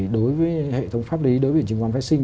đối với hệ thống pháp lý đối với chứng khoán phái sinh